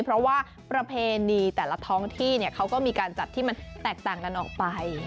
เพราะว่าประเพณีแต่ละท้องที่เขาก็มีการจัดที่มันแตกต่างกันออกไป